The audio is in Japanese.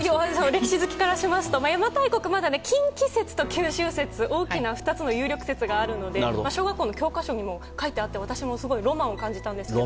歴史好きからすると邪馬台国は近畿説と九州説の大きな２つの説があるんですが小学校の教科書にも書いてあって私もロマンを感じたんですが。